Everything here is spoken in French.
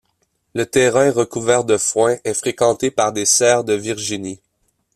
Le terrain recouvert de foins est fréquenté par des cerfs de Virginie.